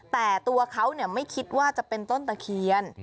แต่ตัวเขาไม่คิดว่าจะเป็นต้นตะเคียน